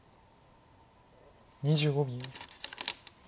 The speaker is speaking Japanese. ２５秒。